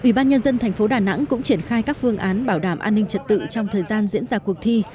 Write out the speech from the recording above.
ủy ban nhân dân thành phố đà nẵng cũng triển khai các phương án bảo đảm an ninh trật tự trong thời gian diễn ra cuộc thi